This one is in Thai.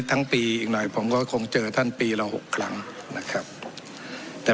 ทั้งปีอีกหน่อยผมก็คงเจอท่านปีละหกครั้งนะครับแต่